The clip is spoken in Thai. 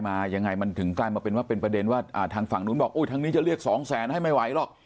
ยังไงมันถึงกลายมาเป็นว่าเป็นประเด็นว่าทางฝั่งนู้นบอกอุ้ยทางนี้จะเรียกสองแสนให้ไม่ไหวหรอก